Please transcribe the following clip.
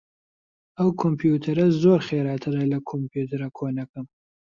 ئەم کۆمپیوتەرە زۆر خێراترە لە کۆمپیوتەرە کۆنەکەم.